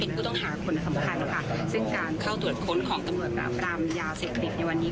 เป็นผู้ต้องหาคนสัมพันธ์ซึ่งการเข้าตรวจค้นของตำรวจปรามยาเสกติดในวันนี้